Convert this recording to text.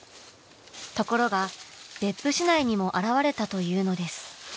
ところが別府市内にも現れたというのです。